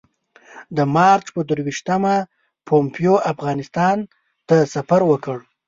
د مارچ پر درویشتمه پومپیو افغانستان ته سفر وکړ.